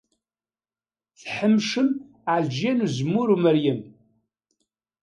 Tḥemcem Ɛelǧiya n Uzemmur Umeryem.